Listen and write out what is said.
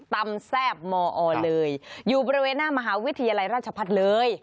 แซ่บมอเลยอยู่บริเวณหน้ามหาวิทยาลัยราชพัฒน์เลย